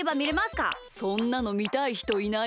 そんなのみたいひといないよ。